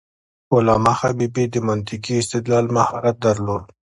علامه حبيبي د منطقي استدلال مهارت درلود.